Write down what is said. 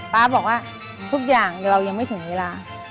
ป๊าบอกว่าทุกอย่างเรายังไม่ถึงเวลา